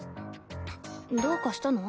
どうかしたの？